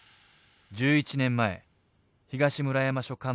１１年前東村山署